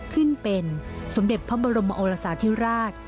ขึ้นเป็นสมเด็จพระบรมอลักษณะทิราช